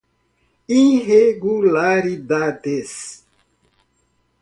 irregularidades